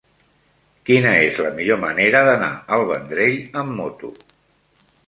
Quina és la millor manera d'anar al Vendrell amb moto?